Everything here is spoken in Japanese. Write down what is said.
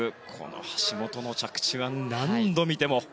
橋本の着地は何度見ても。